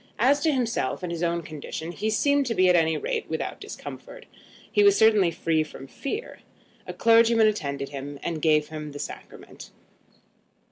As to himself and his own condition, he seemed to be, at any rate, without discomfort, and was certainly free from fear. A clergyman attended him, and gave him the sacrament.